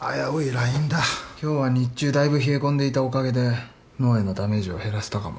今日は日中だいぶ冷え込んでいたおかげで脳へのダメージを減らせたかも。